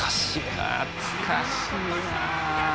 懐かしいな。